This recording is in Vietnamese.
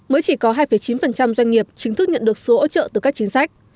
mới chỉ có hai chín doanh nghiệp chính thức nhận được số hỗ trợ từ các chính sách